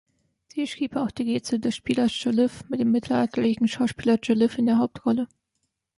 Sie schrieb auch die Rätsel des „Spielers Joliffe“ mit dem mittelalterlichen Schauspieler Joliffe in der Hauptrolle.